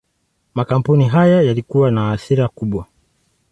Makampuni haya yalikuwa na athira kubwa.